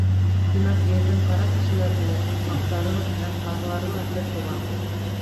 Тимәк, Ерҙең ҡара кешеләре лә, аҡтары һәм һарылары ла бер туған.